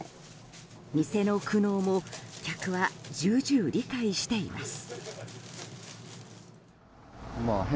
店の苦悩も客は重々理解しています。